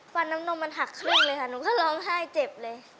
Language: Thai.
ฟันน้ำนมมันหักครึ่งเลยค่ะหนูก็ร้องไห้เจ็บเลย